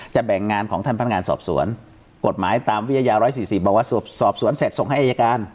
จะแบ่งงานของท่านพันธ์งานสอบสวนกฎหมายตามวิญญาณร้อยสี่สี่บอกว่าสอบสวนแสดส่งให้ไอ้ไอ้การ